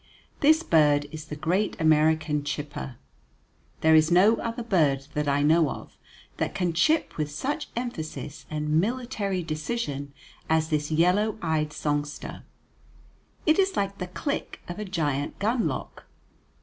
This bird is the great American chipper. There is no other bird that I know of that can chip with such emphasis and military decision as this yellow eyed songster. It is like the click of a giant gunlock.